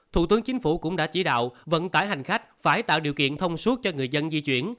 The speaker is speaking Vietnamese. thủ tướng chính phủ cũng đã chỉ đạo vận tải hành khách phải tạo điều kiện thông suốt cho người dân di chuyển